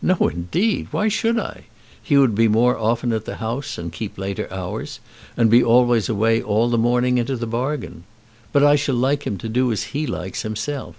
"No, indeed! Why should I? He would be more often at the House, and keep later hours, and be always away all the morning into the bargain. But I shall like him to do as he likes himself."